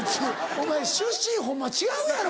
お前出身ホンマは違うやろ。